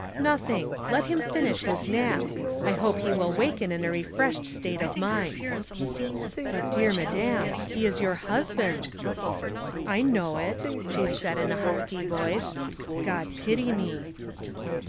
""• Nothing ; let him finish his nap. I hope he will waken in a refreshed state of mind." ''But, dear madam, he is your husband*'^ " I know it," she said, in a husky voice. " God pity me.''